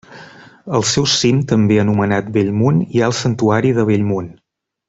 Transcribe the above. Al seu cim, també anomenat Bellmunt hi ha el santuari de Bellmunt.